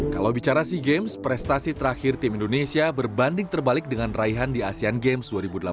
kalau bicara sea games prestasi terakhir tim indonesia berbanding terbalik dengan raihan di asean games dua ribu delapan belas